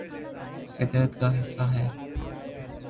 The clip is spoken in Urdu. فطرت کا حصہ ہے